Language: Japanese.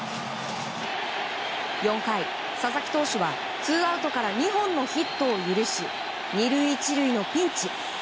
４回、佐々木投手はツーアウトから２本のヒットを許し２塁１塁のピンチ。